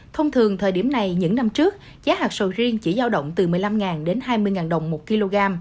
thông thường thời điểm này những năm trước giá hạt sầu riêng chỉ giao động từ một mươi năm đến hai mươi đồng một kg